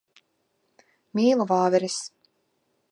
Mīlu vāveres.